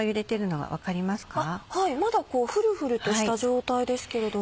はいまだフルフルとした状態ですけれども。